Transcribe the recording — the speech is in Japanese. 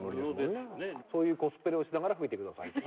そういうコスプレをしながら吹いてくださいと。